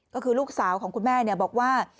ก็คือลูกสาวของคุณแม่บอกว่า